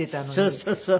そうそうそう。